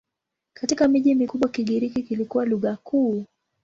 Katika miji mikubwa Kigiriki kilikuwa lugha kuu.